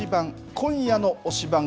今夜の推しバン！